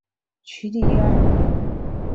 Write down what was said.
屈里耶尔。